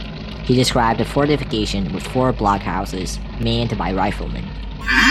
He described a fortification with four blockhouses, manned by riflemen.